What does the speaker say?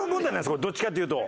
これどっちかっていうと。